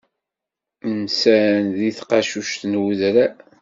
Nsan deg tqacuct n udrar.